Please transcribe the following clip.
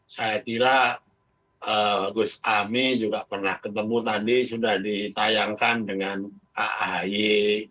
saya kira gus ami juga pernah ketemu tadi sudah ditayangkan dengan ahy